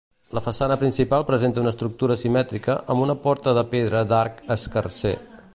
La façana principal presenta una estructura simètrica, amb una porta de pedra d'arc escarser.